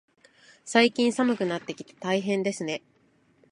最近、寒くなってきて大変ですね。